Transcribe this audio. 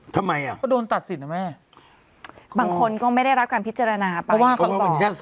ก็โดนตัดสินนะแม่บางคนก็ไม่ได้รับการพิจารณาไป